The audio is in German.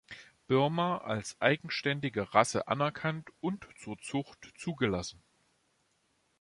Birma als eigenständige Rasse anerkannt und zur Zucht zugelassen.